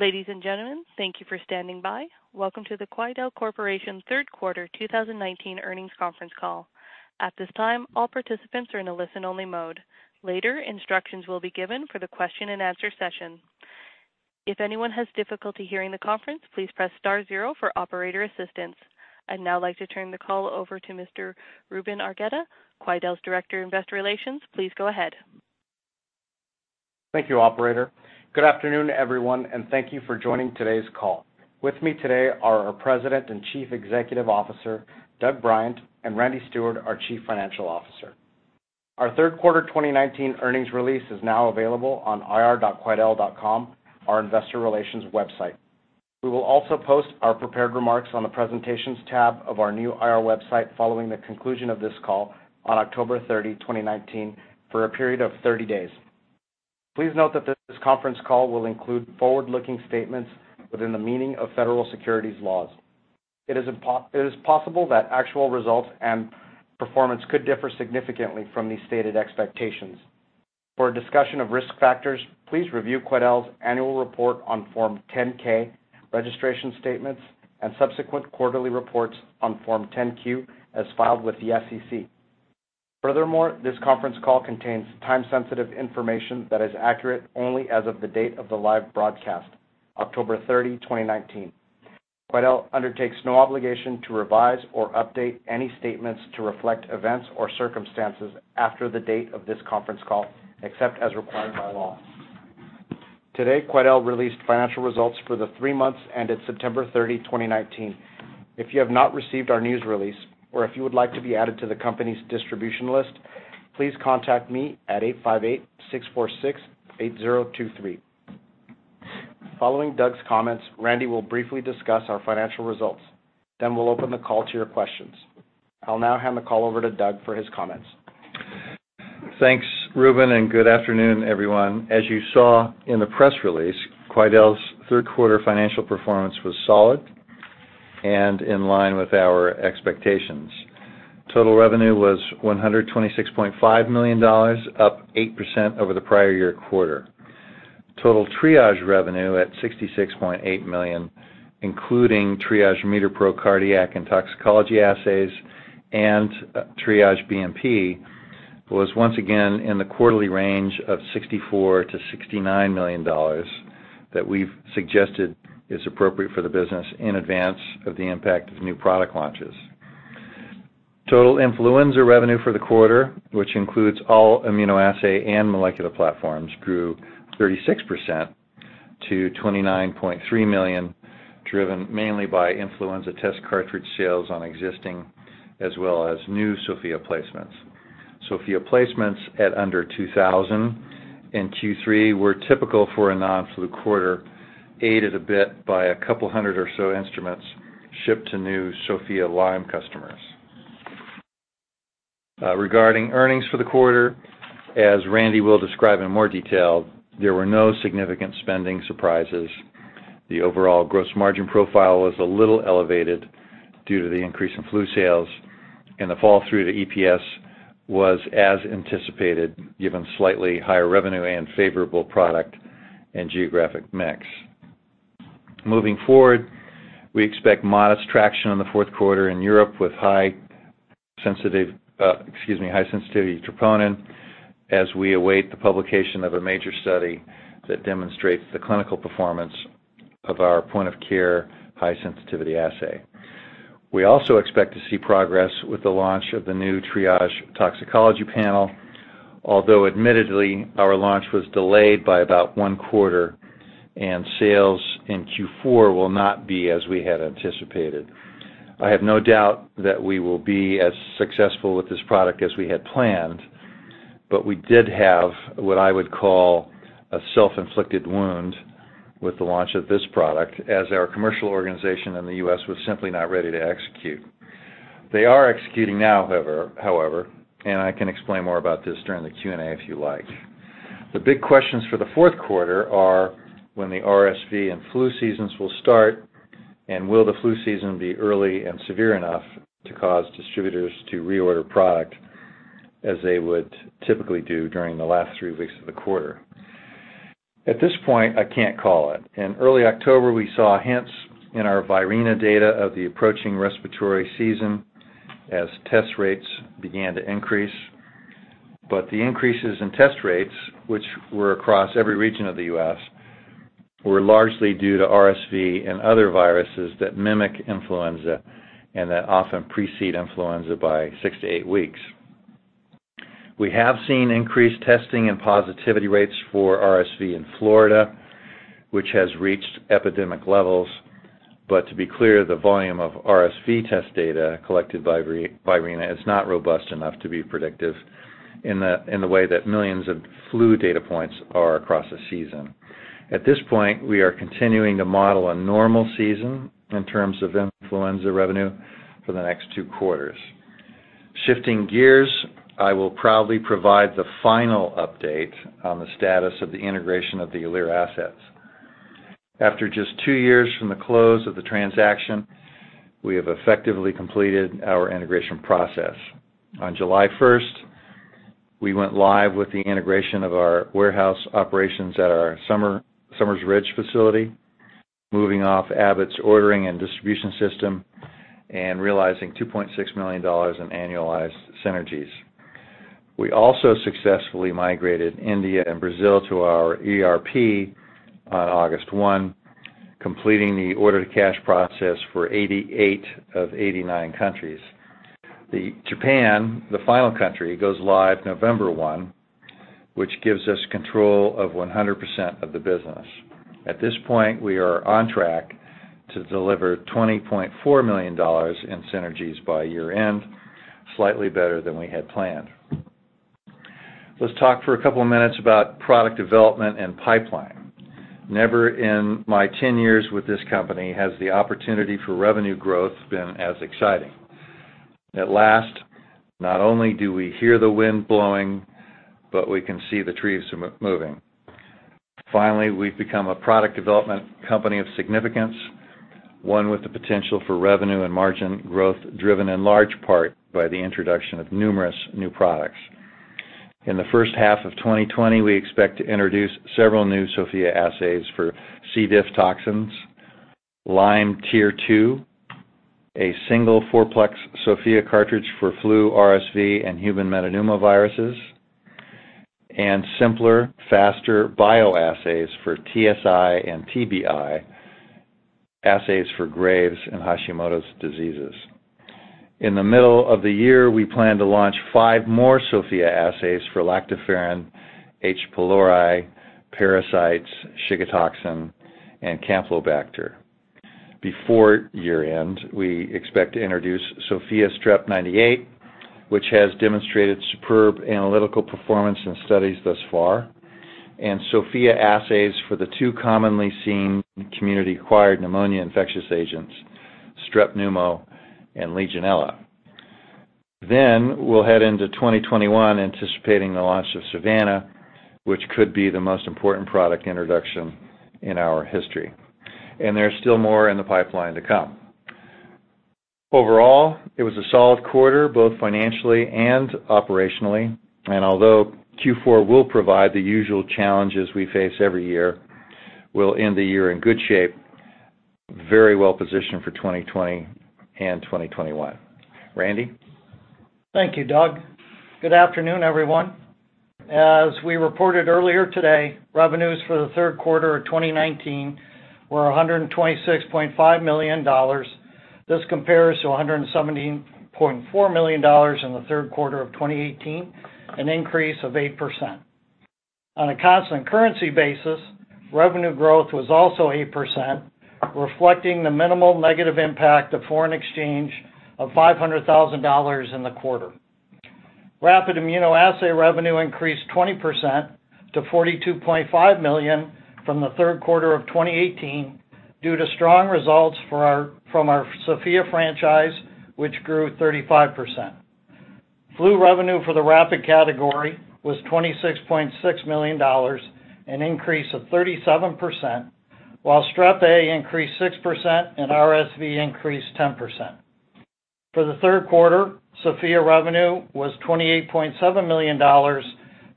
Ladies and gentlemen, thank you for standing by. Welcome to the Quidel Corporation third quarter 2019 earnings conference call. At this time, all participants are in a listen-only mode. Later, instructions will be given for the question and answer session. If anyone has difficulty hearing the conference, please press star zero for operator assistance. I'd now like to turn the call over to Mr. Ruben Arreola, Quidel's Director, Investor Relations. Please go ahead. Thank you, operator. Good afternoon, everyone, and thank you for joining today's call. With me today are our President and Chief Executive Officer, Doug Bryant, and Randy Steward, our Chief Financial Officer. Our third quarter 2019 earnings release is now available on ir.quidel.com, our investor relations website. We will also post our prepared remarks on the presentations tab of our new IR website following the conclusion of this call on October 30, 2019, for a period of 30 days. Please note that this conference call will include forward-looking statements within the meaning of federal securities laws. It is possible that actual results and performance could differ significantly from these stated expectations. For a discussion of risk factors, please review Quidel's annual report on Form 10-K, registration statements, and subsequent quarterly reports on Form 10-Q as filed with the SEC. Furthermore, this conference call contains time-sensitive information that is accurate only as of the date of the live broadcast, October 30, 2019. Quidel undertakes no obligation to revise or update any statements to reflect events or circumstances after the date of this conference call, except as required by law. Today, Quidel released financial results for the three months ended September 30, 2019. If you have not received our news release or if you would like to be added to the company's distribution list, please contact me at 858-646-8023. Following Doug's comments, Randy will briefly discuss our financial results. We'll open the call to your questions. I'll now hand the call over to Doug for his comments. Thanks, Ruben Arreola, and good afternoon, everyone. As you saw in the press release, Quidel's third quarter financial performance was solid and in line with our expectations. Total revenue was $126.5 million, up 8% over the prior year quarter. Total Triage revenue at $66.8 million, including Triage MeterPro cardiac and toxicology assays and Triage BNP, was once again in the quarterly range of $64 million-$69 million that we've suggested is appropriate for the business in advance of the impact of new product launches. Total influenza revenue for the quarter, which includes all immunoassay and molecular platforms, grew 36% to $29.3 million, driven mainly by influenza test cartridge sales on existing as well as new Sofia placements. Sofia placements at under 2,000 in Q3 were typical for a non-flu quarter, aided a bit by a couple of hundred or so instruments shipped to new Sofia Lyme customers. Regarding earnings for the quarter, as Randy will describe in more detail, there were no significant spending surprises. The overall gross margin profile was a little elevated due to the increase in flu sales, and the fall through to EPS was as anticipated, given slightly higher revenue and favorable product and geographic mix. Moving forward, we expect modest traction on the fourth quarter in Europe with high sensitivity troponin as we await the publication of a major study that demonstrates the clinical performance of our point-of-care high sensitivity assay. We also expect to see progress with the launch of the new Triage toxicology panel. Although admittedly, our launch was delayed by about one quarter, and sales in Q4 will not be as we had anticipated. I have no doubt that we will be as successful with this product as we had planned, but we did have what I would call a self-inflicted wound with the launch of this product, as our commercial organization in the U.S. was simply not ready to execute. They are executing now, however, and I can explain more about this during the Q&A if you like. The big questions for the fourth quarter are when the RSV and flu seasons will start, and will the flu season be early and severe enough to cause distributors to reorder product as they would typically do during the last three weeks of the quarter. At this point, I can't call it. In early October, we saw hints in our Virena data of the approaching respiratory season as test rates began to increase. The increases in test rates, which were across every region of the U.S., were largely due to RSV and other viruses that mimic influenza and that often precede influenza by six to eight weeks. We have seen increased testing and positivity rates for RSV in Florida, which has reached epidemic levels. To be clear, the volume of RSV test data collected by Virena is not robust enough to be predictive in the way that millions of flu data points are across a season. At this point, we are continuing to model a normal season in terms of influenza revenue for the next two quarters. Shifting gears, I will proudly provide the final update on the status of the integration of the Alere assets. After just two years from the close of the transaction, we have effectively completed our integration process. On July 1st, we went live with the integration of our warehouse operations at our Summers Ridge facility, moving off Abbott's ordering and distribution system, and realizing $2.6 million in annualized synergies. We also successfully migrated India and Brazil to our ERP on August 1, completing the order-to-cash process for 88 of 89 countries. The Japan, the final country, goes live November 1, which gives us control of 100% of the business. At this point, we are on track to deliver $20.4 million in synergies by year-end, slightly better than we had planned. Let's talk for a couple of minutes about product development and pipeline. Never in my 10 years with this company has the opportunity for revenue growth been as exciting. At last, not only do we hear the wind blowing, but we can see the trees moving. Finally, we've become a product development company of significance, one with the potential for revenue and margin growth, driven in large part by the introduction of numerous new products. In the first half of 2020, we expect to introduce several new Sofia assays for C. diff toxins, Lyme Tier 2, a single 4-plex Sofia cartridge for flu, RSV, and human metapneumoviruses, and simpler, faster bioassays for TSI and TBI, assays for Graves' and Hashimoto's diseases. In the middle of the year, we plan to launch five more Sofia assays for lactoferrin, H. pylori, parasites, Shiga toxin, and Campylobacter. Before year-end, we expect to introduce Sofia Strep 98, which has demonstrated superb analytical performance in studies thus far, and Sofia assays for the two commonly seen community-acquired pneumonia infectious agents, Strep Pneumo and Legionella. We'll head into 2021 anticipating the launch of Savanna, which could be the most important product introduction in our history. There's still more in the pipeline to come. Overall, it was a solid quarter, both financially and operationally. Although Q4 will provide the usual challenges we face every year, we'll end the year in good shape, very well-positioned for 2020 and 2021. Randy? Thank you, Doug. Good afternoon, everyone. As we reported earlier today, revenues for the third quarter of 2019 were $126.5 million. This compares to $117.4 million in the third quarter of 2018, an increase of 8%. On a constant currency basis, revenue growth was also 8%, reflecting the minimal negative impact of foreign exchange of $500,000 in the quarter. Rapid immunoassay revenue increased 20% to $42.5 million from the third quarter of 2018 due to strong results from our Sofia franchise, which grew 35%. Flu revenue for the rapid category was $26.6 million, an increase of 37%, while Strep A increased 6% and RSV increased 10%. For the third quarter, Sofia revenue was $28.7 million,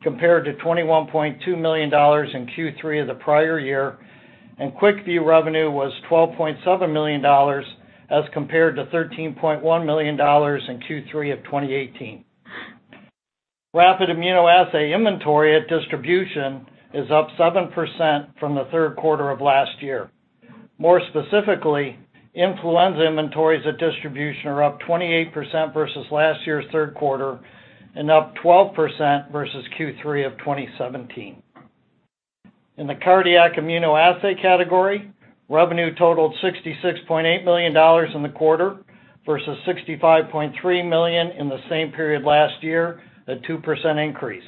compared to $21.2 million in Q3 of the prior year, and QuickVue revenue was $12.7 million as compared to $13.1 million in Q3 of 2018. Rapid immunoassay inventory at distribution is up 7% from the third quarter of last year. More specifically, influenza inventories at distribution are up 28% versus last year's third quarter and up 12% versus Q3 of 2017. In the cardiac immunoassay category, revenue totaled $66.8 million in the quarter versus $65.3 million in the same period last year, a 2% increase.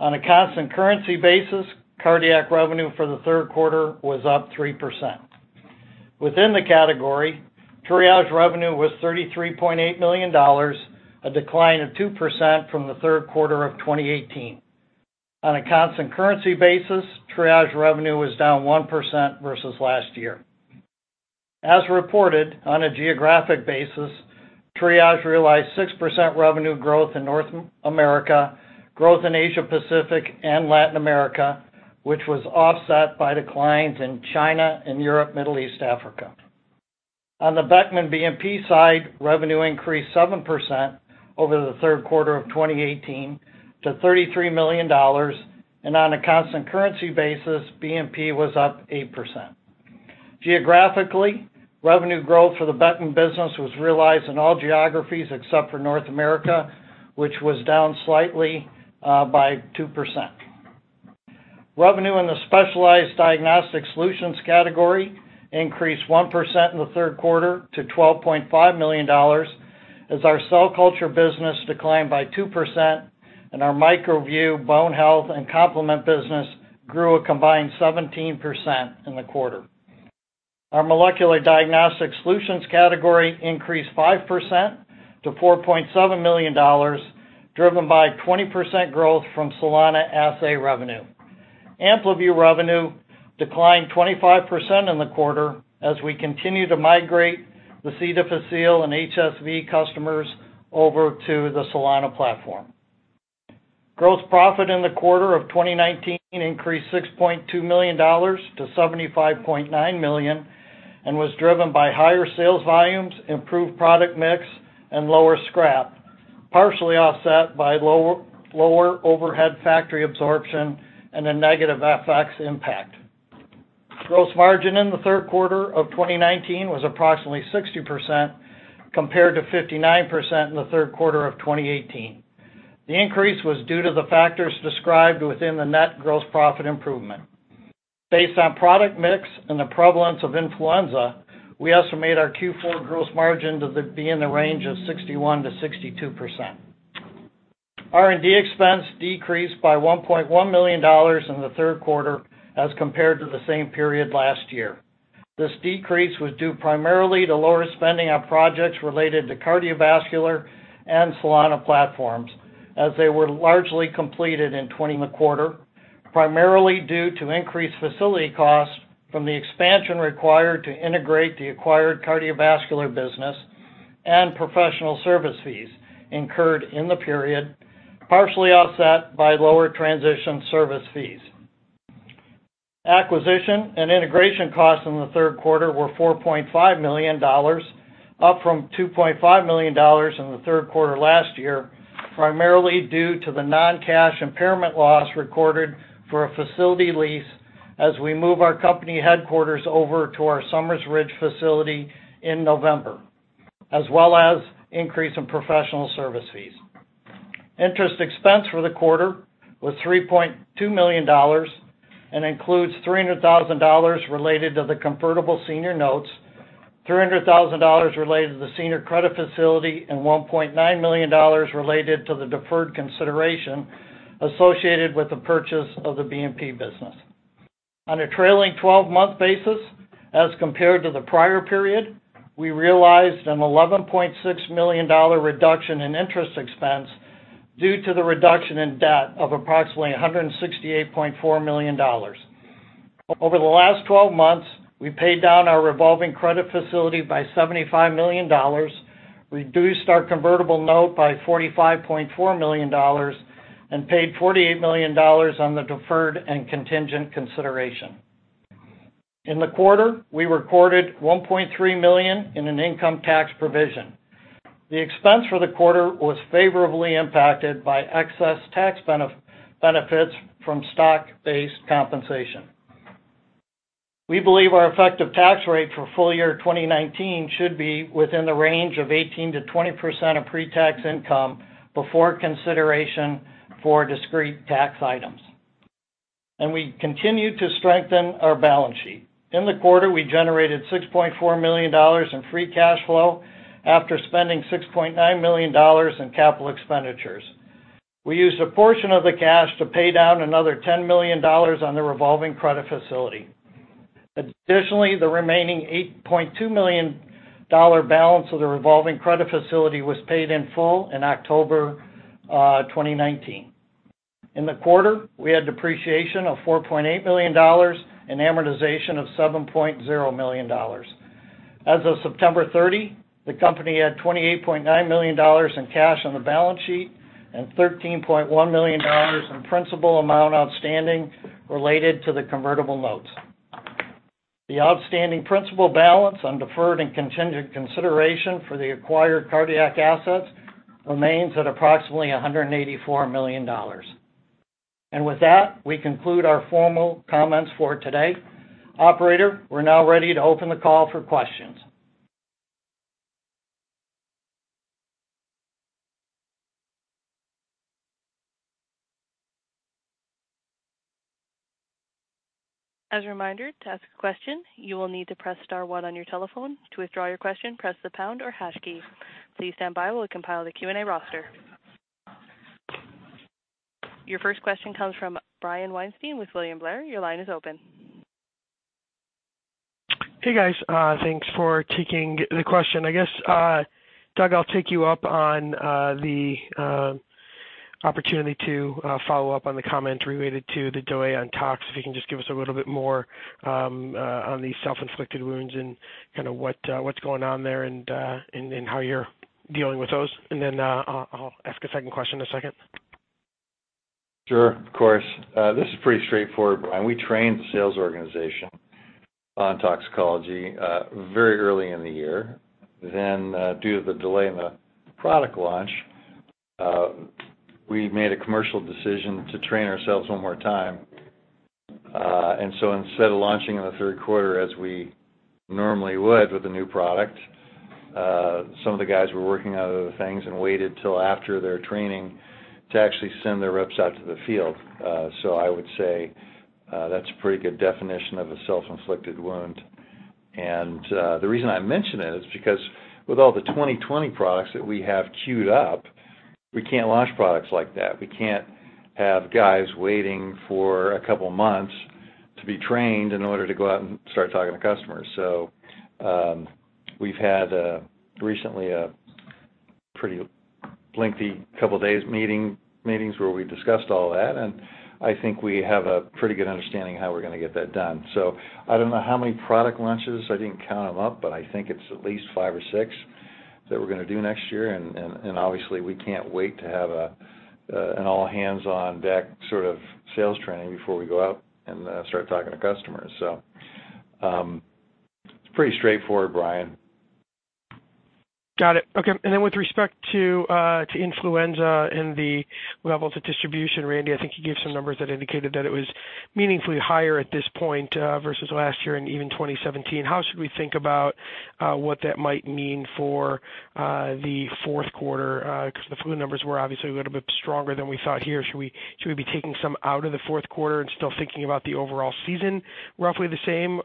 On a constant currency basis, cardiac revenue for the third quarter was up 3%. Within the category, Triage revenue was $33.8 million, a decline of 2% from the third quarter of 2018. On a constant currency basis, Triage revenue was down 1% versus last year. As reported, on a geographic basis, Triage realized 6% revenue growth in North America, growth in Asia Pacific and Latin America, which was offset by declines in China and Europe, Middle East, Africa. On the Beckman BNP side, revenue increased 7% over the third quarter of 2018 to $33 million. On a constant currency basis, BNP was up 8%. Geographically, revenue growth for the Beckman business was realized in all geographies except for North America, which was down slightly by 2%. Revenue in the specialized diagnostic solutions category increased 1% in the third quarter to $12.5 million as our cell culture business declined by 2% and our MicroVue bone health and complement business grew a combined 17% in the quarter. Our molecular diagnostic solutions category increased 5% to $4.7 million, driven by 20% growth from Solana assay revenue. AmpliVue revenue declined 25% in the quarter as we continue to migrate the C. difficile and HSV customers over to the Solana platform. Gross profit in the quarter of 2019 increased $6.2 million to $75.9 million and was driven by higher sales volumes, improved product mix, and lower scrap, partially offset by lower overhead factory absorption and a negative FX impact. Gross margin in the third quarter of 2019 was approximately 60%, compared to 59% in the third quarter of 2018. The increase was due to the factors described within the net gross profit improvement. Based on product mix and the prevalence of influenza, we estimate our Q4 gross margin to be in the range of 61%-62%. R&D expense decreased by $1.1 million in the third quarter as compared to the same period last year. This decrease was due primarily to lower spending on projects related to cardiovascular and Solana platforms, as they were largely completed in the quarter, primarily due to increased facility costs from the expansion required to integrate the acquired cardiovascular business and professional service fees incurred in the period, partially offset by lower transition service fees. Acquisition and integration costs in the third quarter were $4.5 million, up from $2.5 million in the third quarter last year, primarily due to the non-cash impairment loss recorded for a facility lease as we move our company headquarters over to our Summers Ridge facility in November, as well as increase in professional service fees. Interest expense for the quarter was $3.2 million and includes $300,000 related to the convertible senior notes, $300,000 related to the senior credit facility, and $1.9 million related to the deferred consideration associated with the purchase of the BNP business. On a trailing 12-month basis, as compared to the prior period, we realized an $11.6 million reduction in interest expense due to the reduction in debt of approximately $168.4 million. We paid down our revolving credit facility by $75 million, reduced our convertible note by $45.4 million, and paid $48 million on the deferred and contingent consideration. In the quarter, we recorded $1.3 million in an income tax provision. The expense for the quarter was favorably impacted by excess tax benefits from stock-based compensation. We believe our effective tax rate for full year 2019 should be within the range of 18%-20% of pre-tax income before consideration for discrete tax items. We continue to strengthen our balance sheet. In the quarter, we generated $6.4 million in free cash flow after spending $6.9 million in capital expenditures. We used a portion of the cash to pay down another $10 million on the revolving credit facility. The remaining $8.2 million balance of the revolving credit facility was paid in full in October 2019. In the quarter, we had depreciation of $4.8 million and amortization of $7.0 million. As of September 30, the company had $28.9 million in cash on the balance sheet and $13.1 million in principal amount outstanding related to the convertible notes. The outstanding principal balance on deferred and contingent consideration for the acquired cardiac assets remains at approximately $184 million. With that, we conclude our formal comments for today. Operator, we're now ready to open the call for questions. As a reminder, to ask a question, you will need to press star one on your telephone. To withdraw your question, press the pound or hash key. Please stand by while we compile the Q&A roster. Your first question comes from Brian Weinstein with William Blair. Your line is open. Hey, guys. Thanks for taking the question. I guess, Doug, I'll take you up on the opportunity to follow up on the comments related to the delay on tox. If you can just give us a little bit more on the self-inflicted wounds and what's going on there and how you're dealing with those. I'll ask a second question in a second. Sure. Of course. This is pretty straightforward, Brian. We trained the sales organization on toxicology very early in the year. Due to the delay in the product launch, we made a commercial decision to train ourselves one more time. Instead of launching in the third quarter as we normally would with a new product, some of the guys were working on other things and waited till after their training to actually send their reps out to the field. I would say that's a pretty good definition of a self-inflicted wound. The reason I mention it is because with all the 2020 products that we have queued up, we can't launch products like that. We can't have guys waiting for a couple of months to be trained in order to go out and start talking to customers. Pretty lengthy couple days meetings where we discussed all that, and I think we have a pretty good understanding how we're going to get that done. I don't know how many product launches. I didn't count them up, but I think it's at least five or six that we're going to do next year. Obviously, we can't wait to have an all-hands-on-deck sort of sales training before we go out and start talking to customers. It's pretty straightforward, Brian. Got it. Okay. With respect to influenza and the levels of distribution, Randy, I think you gave some numbers that indicated that it was meaningfully higher at this point versus last year and even 2017. How should we think about what that might mean for the fourth quarter? The flu numbers were obviously a little bit stronger than we thought here. Should we be taking some out of the fourth quarter and still thinking about the overall season roughly the same?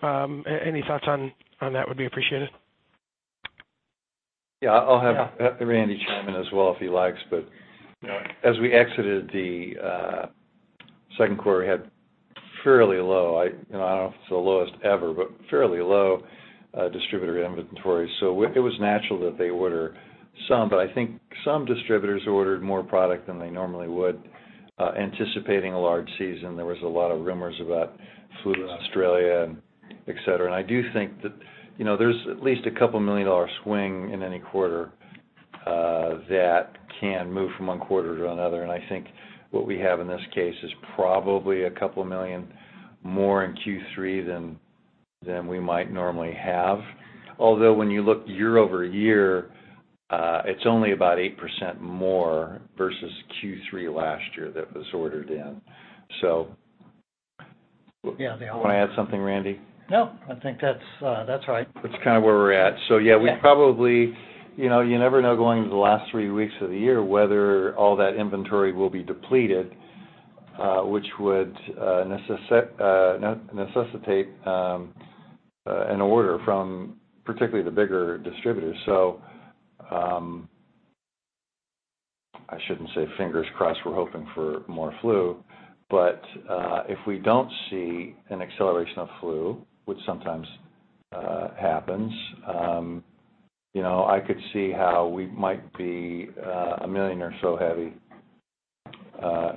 Any thoughts on that would be appreciated. I'll have Randy chime in as well if he likes, but as we exited the second quarter, we had fairly low, I don't know if it's the lowest ever, but fairly low distributor inventory. It was natural that they order some, but I think some distributors ordered more product than they normally would, anticipating a large season. There was a lot of rumors about flu in Australia, et cetera. I do think that there's at least a couple million dollar swing in any quarter that can move from one quarter to another. I think what we have in this case is probably a couple of million more in Q3 than we might normally have. Although when you look year-over-year, it's only about 8% more versus Q3 last year that was ordered in. Yeah. You want to add something, Randy? No, I think that's right. That's kind of where we're at. Yeah you never know going into the last three weeks of the year whether all that inventory will be depleted, which would necessitate an order from particularly the bigger distributors. I shouldn't say fingers crossed we're hoping for more flu, but if we don't see an acceleration of flu, which sometimes happens, I could see how we might be $1 million or so heavy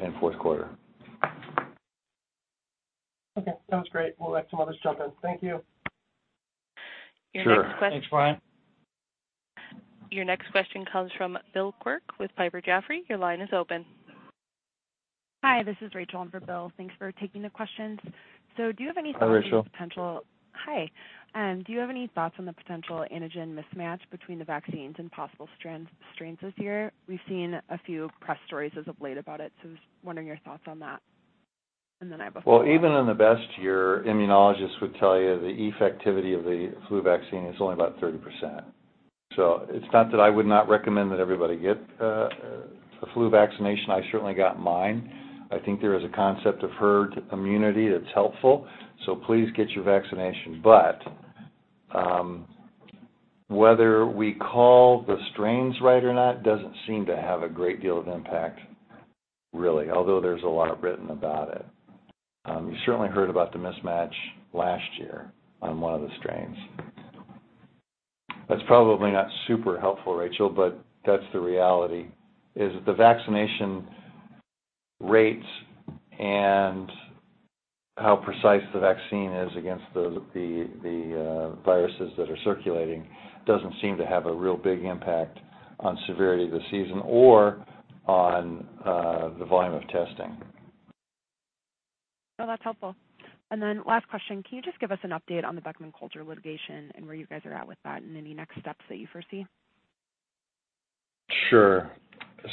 in fourth quarter. Okay, sounds great. We'll let someone else jump in. Thank you. Sure. Thanks, Brian. Your next question comes from Bill Quirk with Piper Jaffray. Your line is open. Hi, this is Rachel in for Bill. Thanks for taking the questions. Do you have any thoughts on the potential? Hi, Rachel. Hi. Do you have any thoughts on the potential antigen mismatch between the vaccines and possible strains this year? We've seen a few press stories as of late about it, just wondering your thoughts on that. I have a follow-up. Even in the best year, immunologists would tell you the effectivity of the flu vaccine is only about 30%. It's not that I would not recommend that everybody get a flu vaccination. I certainly got mine. I think there is a concept of herd immunity that's helpful. Please get your vaccination. Whether we call the strains right or not doesn't seem to have a great deal of impact really, although there's a lot written about it. You certainly heard about the mismatch last year on one of the strains. That's probably not super helpful, Rachel, but that's the reality, is that the vaccination rates and how precise the vaccine is against the viruses that are circulating doesn't seem to have a real big impact on severity of the season or on the volume of testing. No, that's helpful. Last question, can you just give us an update on the Beckman Coulter litigation and where you guys are at with that and any next steps that you foresee? Sure.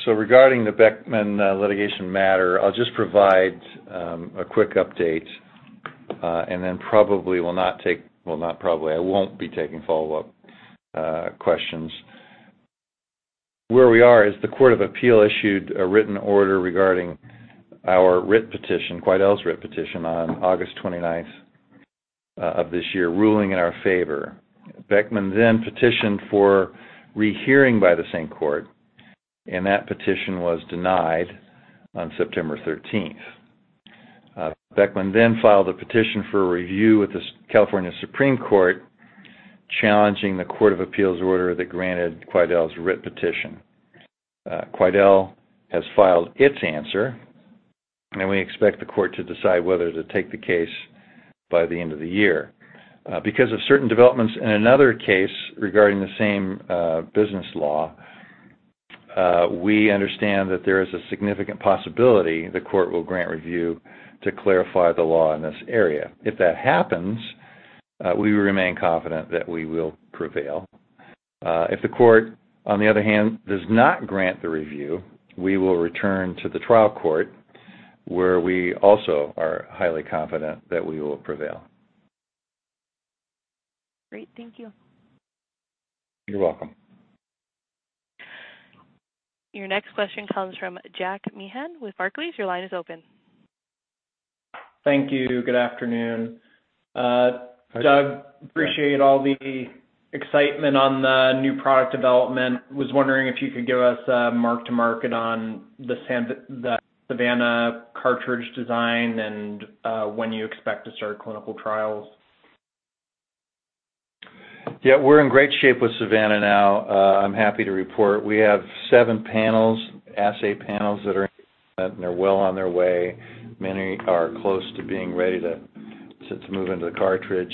Regarding the Beckman litigation matter, I'll just provide a quick update, and then probably will not take, well, not probably, I won't be taking follow-up questions. Where we are is the Court of Appeal issued a written order regarding our writ petition, Quidel's writ petition on August 29th of this year, ruling in our favor. Beckman petitioned for rehearing by the same court, and that petition was denied on September 13th. Beckman filed a petition for review with the California Supreme Court, challenging the Court of Appeal's order that granted Quidel's writ petition. Quidel has filed its answer, and we expect the court to decide whether to take the case by the end of the year. Because of certain developments in another case regarding the same business law, we understand that there is a significant possibility the court will grant review to clarify the law in this area. If that happens, we remain confident that we will prevail. If the court, on the other hand, does not grant the review, we will return to the trial court, where we also are highly confident that we will prevail. Great. Thank you. You're welcome. Your next question comes from Jack Meehan with Barclays. Your line is open. Thank you. Good afternoon. Hi, Jack. Doug, appreciate all the excitement on the new product development. Was wondering if you could give us a mark to market on the Savanna cartridge design and when you expect to start clinical trials. Yeah, we're in great shape with Savanna now. I'm happy to report we have seven assay panels that are in development and are well on their way. Many are close to being ready to move into the cartridge.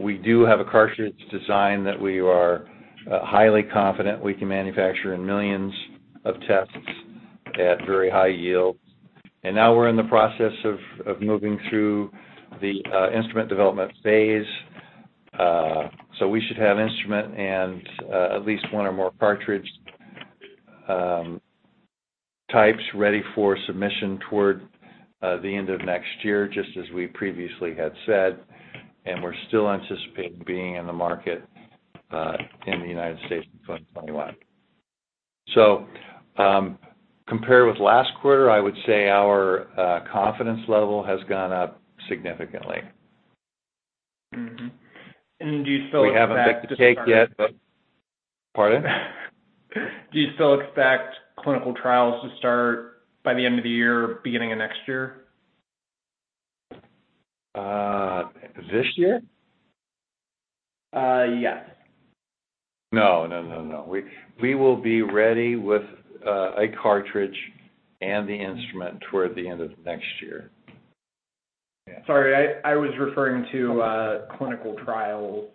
We do have a cartridge design that we are highly confident we can manufacture in millions of tests at very high yields. Now we're in the process of moving through the instrument development phase. We should have instrument and at least 1 or more cartridge types ready for submission toward the end of next year, just as we previously had said, and we still anticipate being in the market in the United States in 2021. Compared with last quarter, I would say our confidence level has gone up significantly. Mm-hmm. Do you still expect- We haven't baked the cake yet, but Pardon? Do you still expect clinical trials to start by the end of the year, beginning of next year? This year? Yes. No. We will be ready with a cartridge and the instrument toward the end of next year. Yeah. Sorry, I was referring to clinical trial.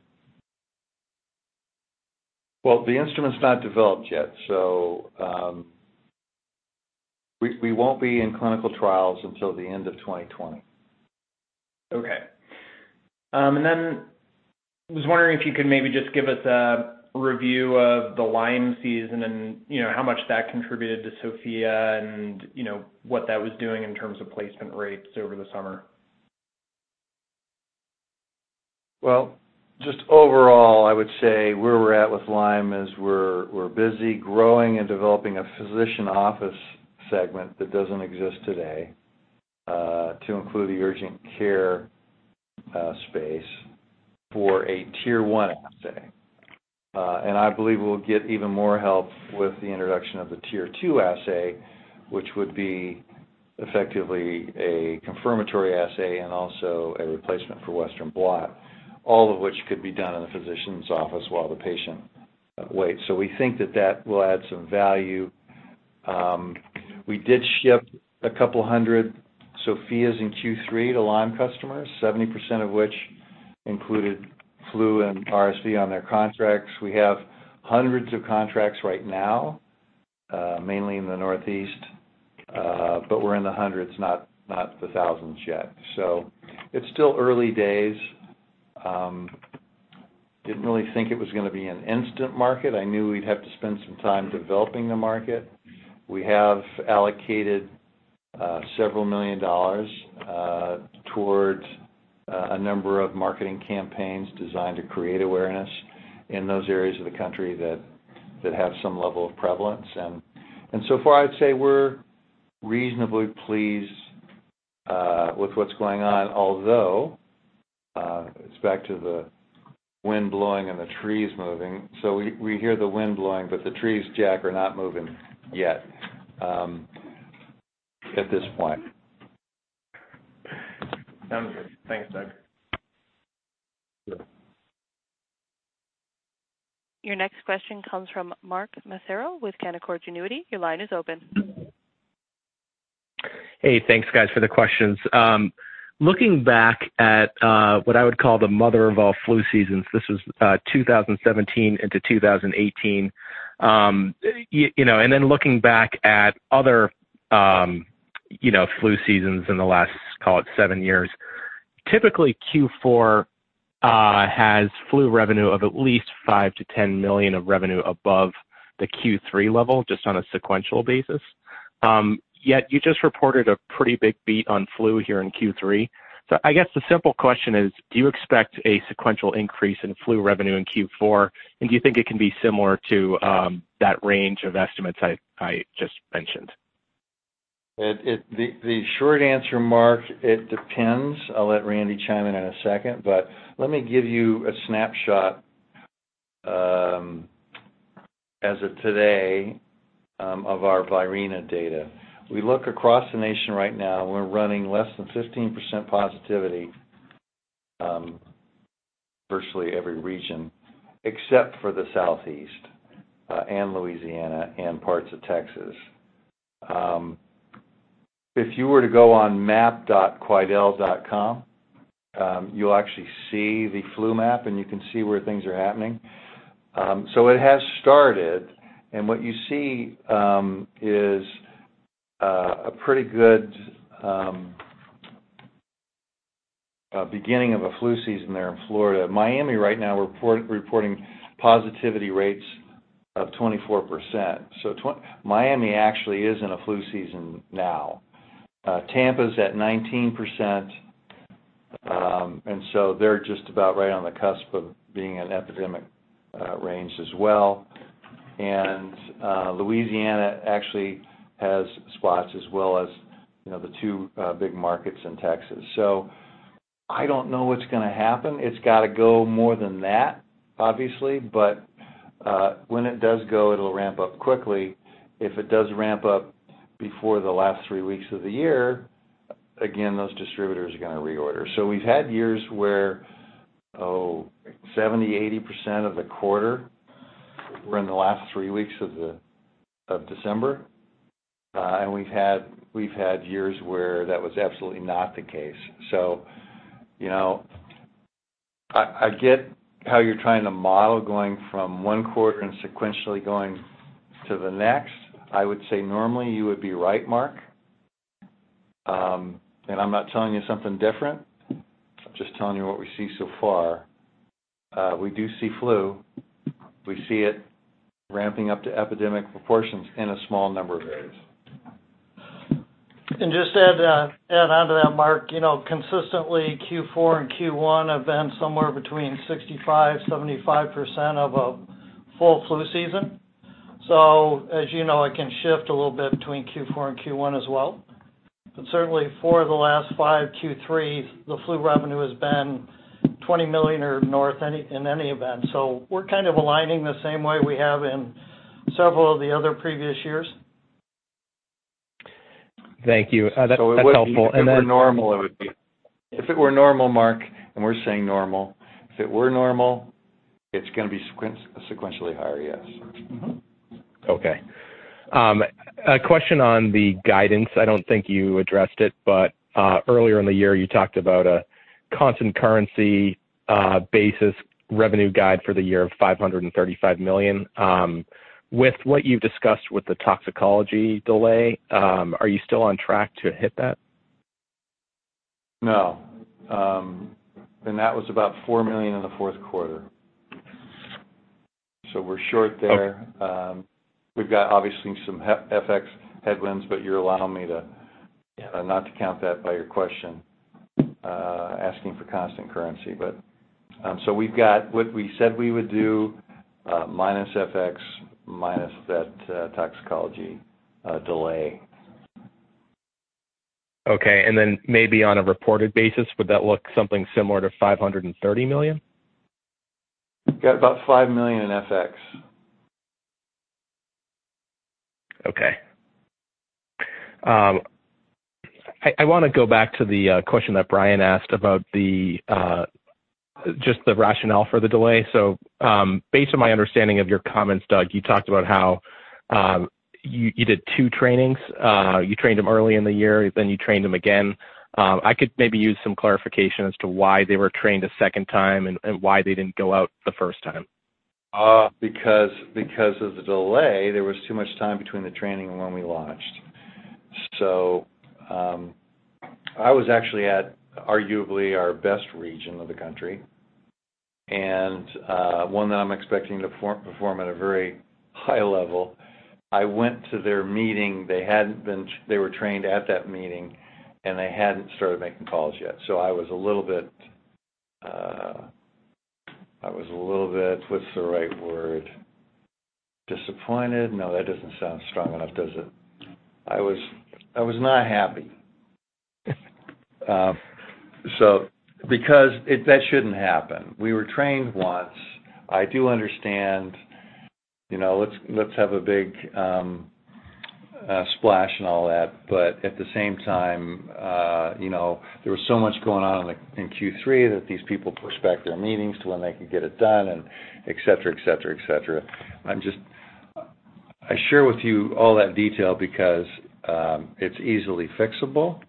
Well, the instrument's not developed yet. We won't be in clinical trials until the end of 2020. Okay. I was wondering if you could maybe just give us a review of the Lyme season and how much that contributed to Sofia and what that was doing in terms of placement rates over the summer. Well, just overall, I would say where we're at with Lyme is we're busy growing and developing a physician office segment that doesn't exist today, to include the urgent care space for a tier 1 assay. I believe we'll get even more help with the introduction of the tier 2 assay, which would be effectively a confirmatory assay and also a replacement for western blot, all of which could be done in the physician's office while the patient waits. We think that that will add some value. We did ship a couple hundred Sofias in Q3 to Lyme customers, 70% of which included flu and RSV on their contracts. We have hundreds of contracts right now, mainly in the Northeast, but we're in the hundreds, not the thousands yet. It's still early days. Didn't really think it was going to be an instant market. I knew we'd have to spend some time developing the market. We have allocated several million dollars towards a number of marketing campaigns designed to create awareness in those areas of the country that have some level of prevalence. So far, I'd say we're reasonably pleased with what's going on, although it's back to the wind blowing and the trees moving. We hear the wind blowing, but the trees, Jack, are not moving yet at this point. Sounds good. Thanks, Doug. Sure. Your next question comes from Mark Massaro with Canaccord Genuity. Your line is open. Hey, thanks guys for the questions. Looking back at what I would call the mother of all flu seasons, this is 2017 into 2018, and then looking back at other flu seasons in the last, call it seven years, typically Q4 has flu revenue of at least $5 million-$10 million of revenue above the Q3 level, just on a sequential basis. You just reported a pretty big beat on flu here in Q3. I guess the simple question is, do you expect a sequential increase in flu revenue in Q4, and do you think it can be similar to that range of estimates I just mentioned? The short answer, Mark, it depends. I'll let Randy chime in in a second, but let me give you a snapshot as of today, of our Virena data. We look across the nation right now and we're running less than 15% positivity virtually every region, except for the Southeast and Louisiana and parts of Texas. If you were to go on map.quidel.com, you'll actually see the flu map, and you can see where things are happening. It has started, and what you see is a pretty good beginning of a flu season there in Florida. Miami right now, reporting positivity rates of 24%. Miami actually is in a flu season now. Tampa's at 19%, they're just about right on the cusp of being in epidemic range as well. Louisiana actually has spots as well as the two big markets in Texas. I don't know what's going to happen. It's got to go more than that, obviously, but when it does go, it'll ramp up quickly. If it does ramp up before the last three weeks of the year. Again, those distributors are going to reorder. We've had years where 70%-80% of the quarter were in the last three weeks of December, and we've had years where that was absolutely not the case. I get how you're trying to model going from one quarter and sequentially going to the next. I would say normally you would be right, Mark. I'm not telling you something different, I'm just telling you what we see so far. We do see flu. We see it ramping up to epidemic proportions in a small number of areas. Just to add onto that, Mark, consistently Q4 and Q1 have been somewhere between 65%-75% of a full flu season. As you know, it can shift a little bit between Q4 and Q1 as well. Certainly for the last five Q3s, the flu revenue has been $20 million or north in any event. We're kind of aligning the same way we have in several of the other previous years. Thank you. That's helpful. If it were normal, Mark, and we're saying normal, if it were normal, it's going to be sequentially higher, yes. Okay. A question on the guidance. I don't think you addressed it, but earlier in the year, you talked about a constant currency basis revenue guide for the year of $535 million. With what you've discussed with the toxicology delay, are you still on track to hit that? No, That was about $4 million in the fourth quarter. We're short there. Okay. We've got obviously some FX headwinds, you're allowing me to not count that by your question, asking for constant currency. We've got what we said we would do minus FX, minus that toxicology delay. Okay, maybe on a reported basis, would that look something similar to $530 million? Got about $5 million in FX. Okay. I want to go back to the question that Brian asked about just the rationale for the delay. Based on my understanding of your comments, Doug, you talked about how you did two trainings. You trained them early in the year, then you trained them again. I could maybe use some clarification as to why they were trained a second time and why they didn't go out the first time. Because of the delay, there was too much time between the training and when we launched. I was actually at arguably our best region of the country and one that I'm expecting to perform at a very high level. I went to their meeting. They were trained at that meeting, and they hadn't started making calls yet. I was a little bit, what's the right word? Disappointed? No, that doesn't sound strong enough, does it? I was not happy. That shouldn't happen. We were trained once. I do understand, let's have a big splash and all that, but at the same time, there was so much going on in Q3 that these people pushed back their meetings to when they could get it done and et cetera. I share with you all that detail because it's easily fixable,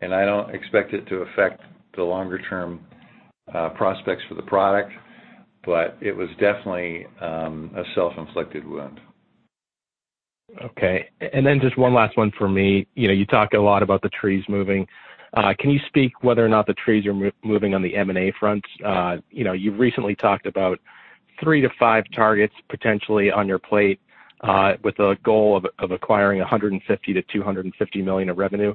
and I don't expect it to affect the longer-term prospects for the product, but it was definitely a self-inflicted wound. Okay. Just one last one for me. You talked a lot about the trees moving. Can you speak whether or not the trees are moving on the M&A fronts? You've recently talked about three to five targets potentially on your plate, with a goal of acquiring $150 million-$250 million of revenue.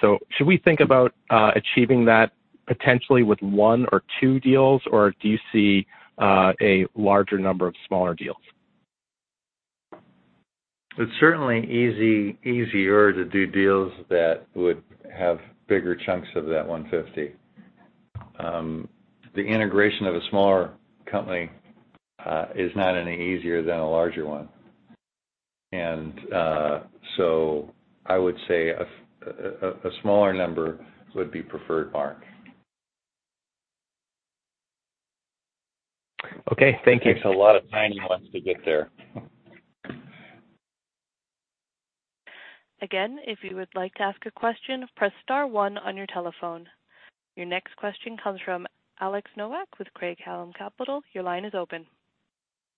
Should we think about achieving that potentially with one or two deals, or do you see a larger number of smaller deals? It's certainly easier to do deals that would have bigger chunks of that 150. The integration of a smaller company is not any easier than a larger one. I would say a smaller number would be preferred, Mark. Okay. Thank you. It takes a lot of tiny ones to get there. Again, if you would like to ask a question, press star one on your telephone. Your next question comes from Alex Nowak with Craig-Hallum Capital. Your line is open.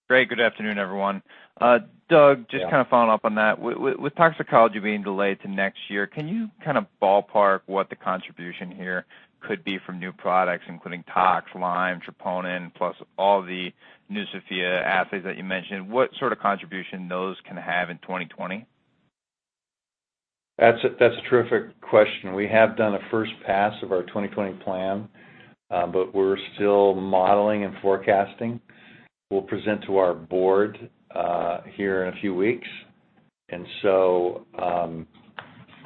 Great. Good afternoon, everyone. Yeah Just kind of following up on that. With toxicology being delayed to next year, can you kind of ballpark what the contribution here could be from new products, including tox, Lyme, troponin, plus all the new Sofia assays that you mentioned, what sort of contribution those can have in 2020? That's a terrific question. We have done a first pass of our 2020 plan, but we're still modeling and forecasting. We'll present to our board here in a few weeks.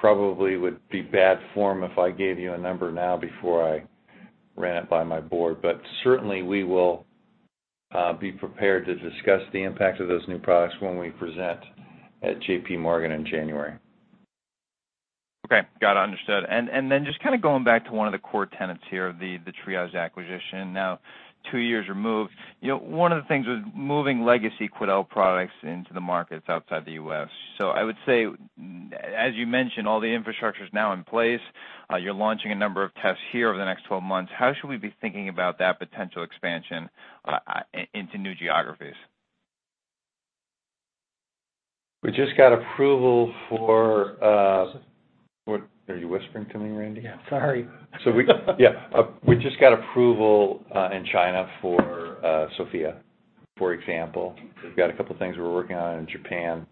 Probably would be bad form if I gave you a number now before I ran it by my board. Certainly we will be prepared to discuss the impact of those new products when we present at J.P. Morgan in January. Okay. Got it, understood. Just kind of going back to one of the core tenets here of the Triage acquisition, now two years removed. One of the things was moving legacy Quidel products into the markets outside the U.S. I would say, as you mentioned, all the infrastructure's now in place. You're launching a number of tests here over the next 12 months. How should we be thinking about that potential expansion into new geographies? We just got approval for, what are you whispering to me, Randy? Yeah, sorry. We, yeah, we just got approval in China for Sofia, for example. We've got a couple of things we're working on in Japan,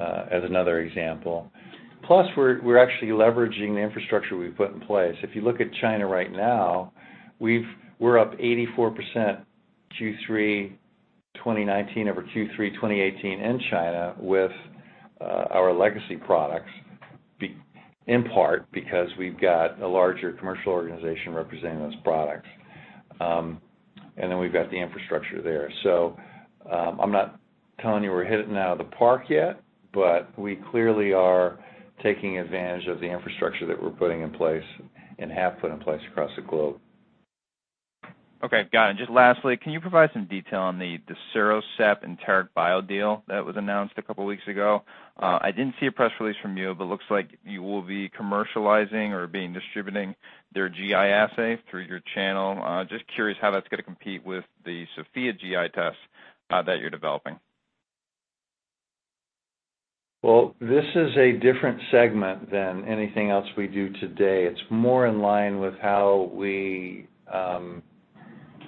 as another example. We're actually leveraging the infrastructure we've put in place. If you look at China right now, we're up 84% Q3 2019 over Q3 2018 in China with our legacy products, in part because we've got a larger commercial organization representing those products. We've got the infrastructure there. I'm not telling you we're hitting it out of the park yet, but we clearly are taking advantage of the infrastructure that we're putting in place and have put in place across the globe. Okay. Got it. Just lastly, can you provide some detail on the Serosep and Tareq Bio deal that was announced a couple of weeks ago? I didn't see a press release from you, looks like you will be commercializing or being distributing their GI assay through your channel. Just curious how that's going to compete with the Sofia GI test, that you're developing. Well, this is a different segment than anything else we do today. It's more in line with how we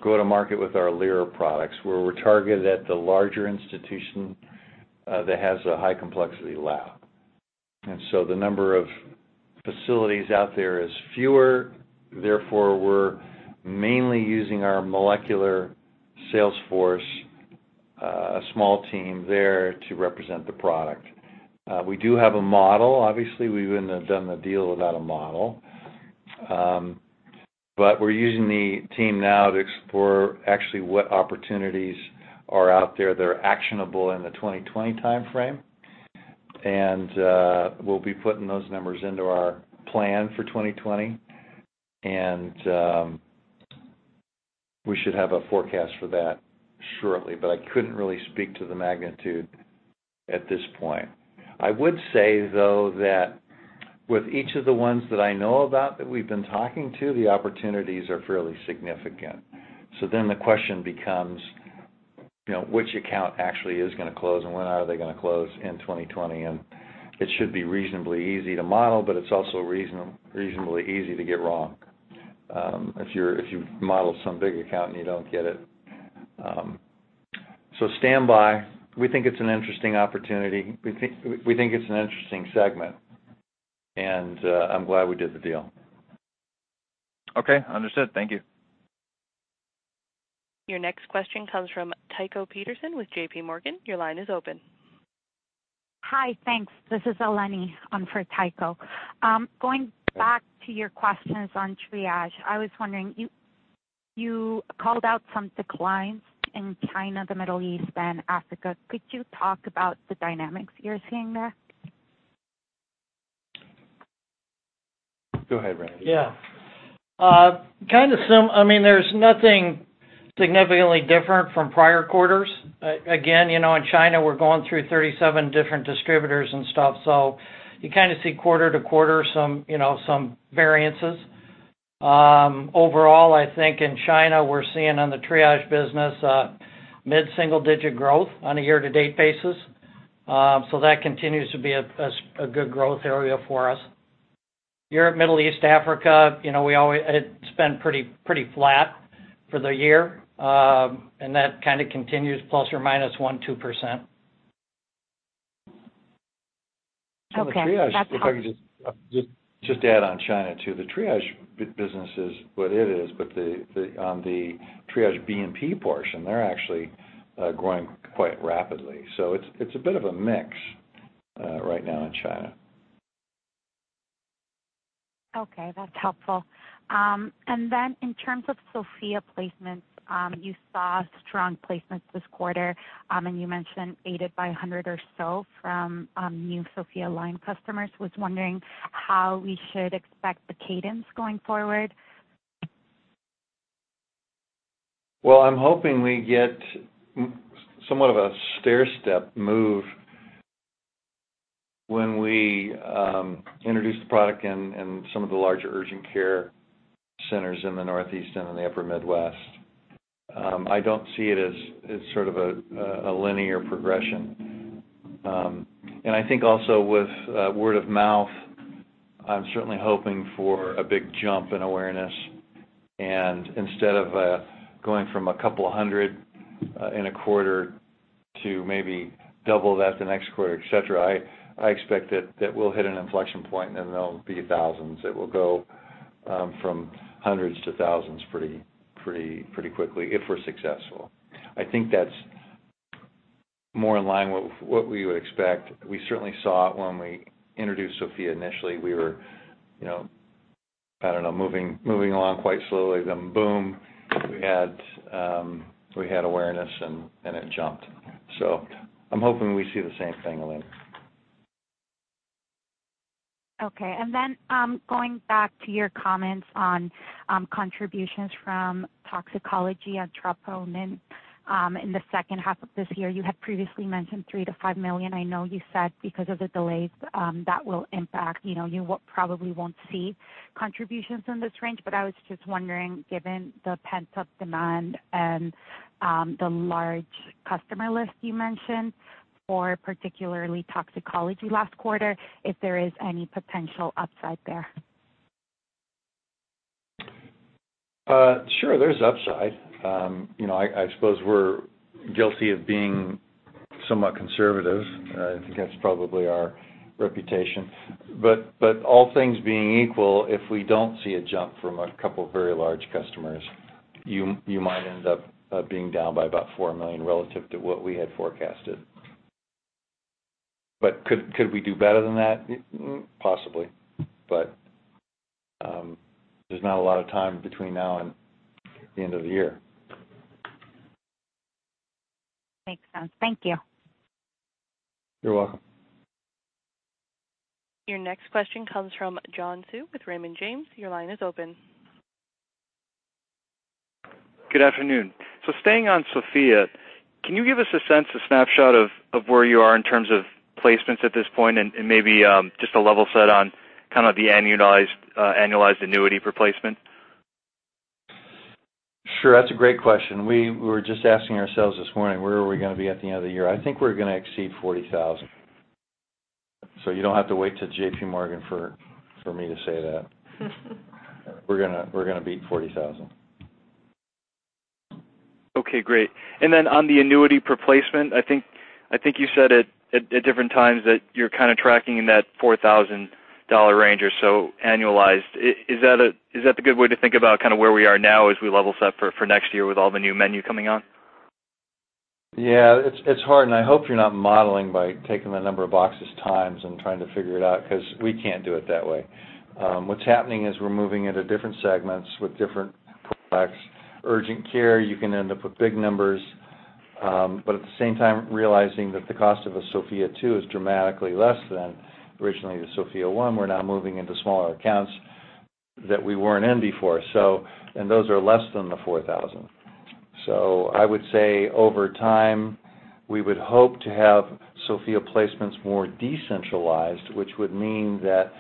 go to market with our Lyra products, where we're targeted at the larger institution, that has a high complexity lab. The number of facilities out there is fewer, therefore, we're mainly using our molecular sales force, a small team there to represent the product. We do have a model. Obviously, we wouldn't have done the deal without a model. We're using the team now to explore actually what opportunities are out there that are actionable in the 2020 timeframe. We'll be putting those numbers into our plan for 2020. We should have a forecast for that shortly, but I couldn't really speak to the magnitude at this point. I would say, though, that with each of the ones that I know about, that we've been talking to, the opportunities are fairly significant. The question becomes, which account actually is going to close and when are they going to close in 2020? It should be reasonably easy to model, but it's also reasonably easy to get wrong, if you model some big account and you don't get it. Stand by. We think it's an interesting opportunity. We think it's an interesting segment, and I'm glad we did the deal. Okay, understood. Thank you. Your next question comes from Tycho Peterson with J.P. Morgan. Your line is open. Hi. Thanks. This is Eleni for Tycho. Going back to your questions on Triage, I was wondering, you called out some declines in China, the Middle East, and Africa. Could you talk about the dynamics you're seeing there? Go ahead, Randy. Yeah. There's nothing significantly different from prior quarters. Again, in China, we're going through 37 different distributors and stuff, so you kind of see quarter to quarter some variances. Overall, I think in China, we're seeing on the Triage business, mid-single digit growth on a year-to-date basis. That continues to be a good growth area for us. Europe, Middle East, Africa, it's been pretty flat for the year. That kind of continues plus or minus one, 2%. Okay. That's helpful. If I could just add on China too. The Triage business is what it is, but on the Triage BNP portion, they're actually growing quite rapidly. It's a bit of a mix right now in China. Okay, that's helpful. In terms of Sofia placements, you saw strong placements this quarter, you mentioned aided by 100 or so from new Sofia line customers. I was wondering how we should expect the cadence going forward? Well, I'm hoping we get somewhat of a stairstep move when we introduce the product in some of the larger urgent care centers in the Northeast and in the Upper Midwest. I don't see it as sort of a linear progression. I think also with word of mouth, I'm certainly hoping for a big jump in awareness. Instead of going from a couple of hundred in a quarter to maybe double that the next quarter, et cetera, I expect that we'll hit an inflection point and then there'll be thousands. It will go from hundreds to thousands pretty quickly if we're successful. I think that's more in line with what we would expect. We certainly saw it when we introduced Sofia initially. We were, I don't know, moving along quite slowly, then boom, we had awareness and it jumped. I'm hoping we see the same thing, Eleni. Okay. Going back to your comments on contributions from toxicology and troponin in the second half of this year, you had previously mentioned $3 million-$5 million. I know you said because of the delays that will impact, you probably won't see contributions in this range, but I was just wondering, given the pent-up demand and the large customer list you mentioned, for particularly toxicology last quarter, if there is any potential upside there. Sure. There's upside. I suppose we're guilty of being somewhat conservative. I think that's probably our reputation. All things being equal, if we don't see a jump from a couple of very large customers, you might end up being down by about $4 million relative to what we had forecasted. Could we do better than that? Possibly. There's not a lot of time between now and the end of the year. Makes sense. Thank you. You're welcome. Your next question comes from John Hsu with Raymond James. Your line is open. Good afternoon. Staying on Sofia, can you give us a sense, a snapshot of where you are in terms of placements at this point and maybe just a level set on kind of the annualized annuity per placement? Sure. That's a great question. We were just asking ourselves this morning, where are we going to be at the end of the year? I think we're going to exceed 40,000. You don't have to wait till J.P. Morgan for me to say that. We're going to beat 40,000. Okay, great. On the annuity per placement, I think you said at different times that you're kind of tracking in that $4,000 range or so annualized. Is that the good way to think about where we are now as we level set for next year with all the new menu coming on? It's hard, and I hope you're not modeling by taking the number of boxes times and trying to figure it out, because we can't do it that way. What's happening is we're moving into different segments with different products. Urgent care, you can end up with big numbers, but at the same time realizing that the cost of a Sofia 2 is dramatically less than originally the Sofia 1. We're now moving into smaller accounts that we weren't in before, and those are less than the 4,000. I would say over time, we would hope to have Sofia placements more decentralized, which would mean that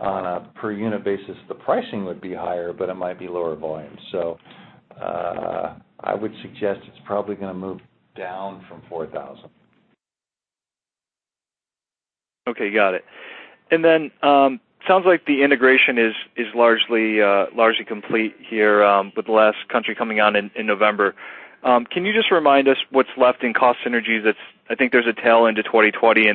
on a per unit basis, the pricing would be higher, but it might be lower volume. I would suggest it's probably going to move down from 4,000. Okay, got it. It sounds like the integration is largely complete here with the last country coming on in November. Can you just remind us what's left in cost synergies? I think there's a tail into 2020.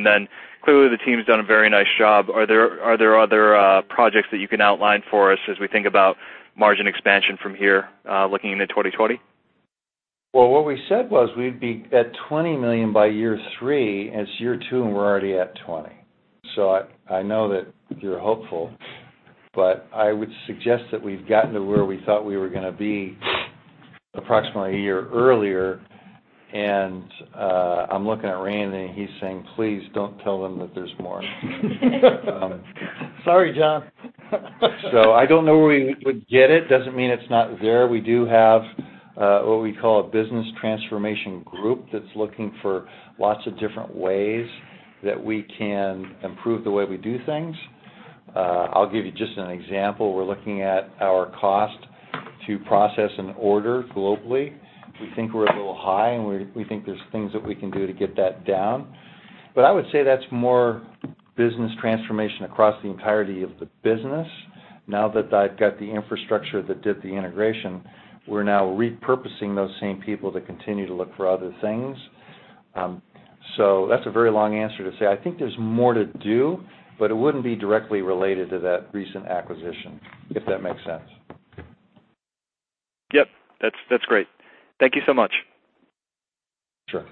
Clearly the team's done a very nice job. Are there other projects that you can outline for us as we think about margin expansion from here looking into 2020? Well, what we said was we'd be at $20 million by year three. It's year two, and we're already at $20 million. I know that you're hopeful, but I would suggest that we've gotten to where we thought we were going to be approximately a year earlier, and I'm looking at Randy, and he's saying, "Please don't tell them that there's more. Sorry, John. I don't know where we would get it. Doesn't mean it's not there. We do have what we call a business transformation group that's looking for lots of different ways that we can improve the way we do things. I'll give you just an example. We're looking at our cost to process an order globally. We think we're a little high, and we think there's things that we can do to get that down. I would say that's more business transformation across the entirety of the business. Now that I've got the infrastructure that did the integration, we're now repurposing those same people to continue to look for other things. That's a very long answer to say, I think there's more to do, but it wouldn't be directly related to that recent acquisition, if that makes sense. Yep. That's great. Thank you so much. Sure.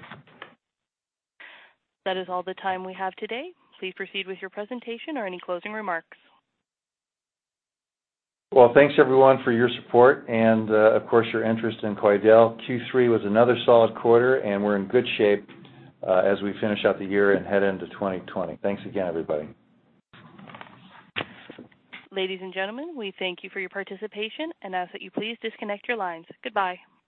That is all the time we have today. Please proceed with your presentation or any closing remarks. Well, thanks everyone for your support and, of course, your interest in Quidel. Q3 was another solid quarter, and we're in good shape as we finish out the year and head into 2020. Thanks again, everybody. Ladies and gentlemen, we thank you for your participation and ask that you please disconnect your lines. Goodbye.